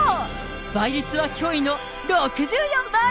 倍率は驚異の６４倍。